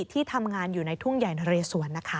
ที่ทำงานอยู่ในทุ่งใหญ่นเรสวนนะคะ